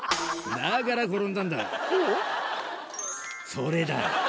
それだ。